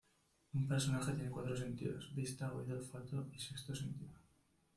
Un personaje tiene cuatro sentidos: vista, oído, olfato y sexto sentido.